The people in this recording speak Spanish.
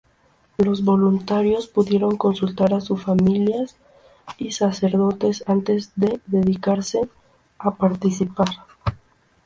Los voluntarios pudieron consultar a sus familias y sacerdotes antes de decidirse a participar.